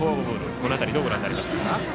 この辺り、どうご覧になりますか。